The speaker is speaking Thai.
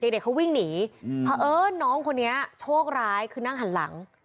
เด็กเขาวิ่งหนีเพราะเอิญน้องคนนี้โชคร้ายคือนั่งหันหลัง